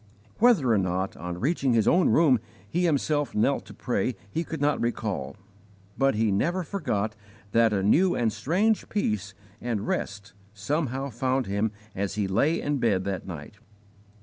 Whether or not, on reaching his own room, he himself knelt to pray he could not recall, but he never forgot that a new and strange peace and rest somehow found him as he lay in bed that night.